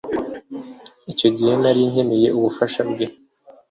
Icyo gihe nari nkeneye ubufasha bwe.